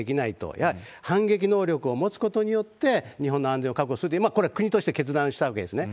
やはり反撃能力を持つことによって、日本の安全を確保するという、これ、国として決断したわけですね。